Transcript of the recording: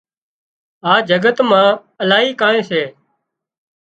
آ جگت مان الاهي ڪانئين سي